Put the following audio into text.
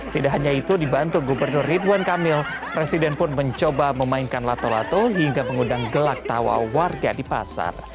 tidak hanya itu dibantu gubernur ridwan kamil presiden pun mencoba memainkan lato lato hingga mengundang gelak tawa warga di pasar